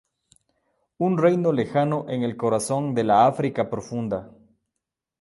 Un reino lejano en el corazón de la África profunda.